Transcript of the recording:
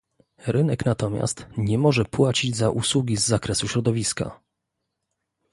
Rynek natomiast nie może płacić za usługi z zakresu środowiska